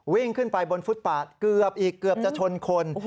วิ่งขึ้นไปบนฟุตปาดเกือบอีกเกือบจะชนคน